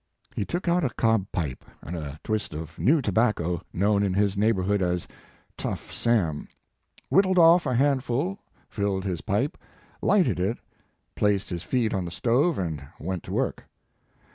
He took out a cob pipe, and a twist of new tobacco, known in his neighborhood as "Tough Sam," whittled off a handful, filled his pipe, lighted it, placed his feet on the stove and went to work.